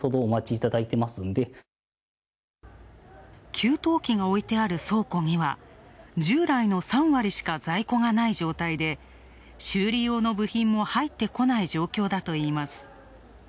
給湯器が置いてある倉庫には、従来の３割しか在庫がない状態で修理用の部品も入ってこない状況だといいます。